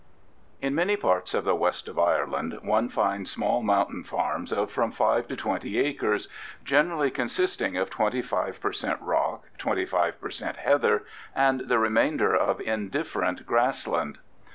In many parts of the west of Ireland one finds small mountain farms of from five to twenty acres, generally consisting of twenty five per cent rock, twenty five per cent heather, and the remainder of indifferent grass land.